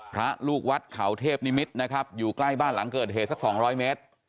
พระลูกวัดเขาเทพนิมิตรนะครับอยู่ใกล้บ้านหลังเกิดเหตุสัก๒๐๐เมตร